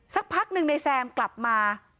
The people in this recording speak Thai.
สักพักหนึ่งในแซมกลับมา